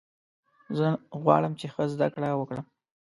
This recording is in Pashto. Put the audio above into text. زه غواړم چې ښه زده کړه وکړم.